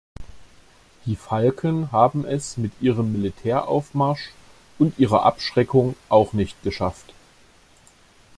Die Falken haben es mit ihrem Militäraufmarsch und ihrer Abschreckung auch nicht geschafft.